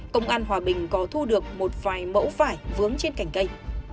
công an hòa bình có thu được một vài mẫu vải vướng trên cành cây